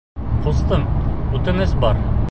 Ҡустым, үтенес бар.